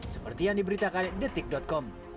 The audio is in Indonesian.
seperti yang diberitakan detik com